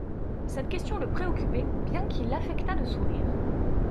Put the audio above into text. Cette question le préoccupait, bien qu'il affectât de sourire.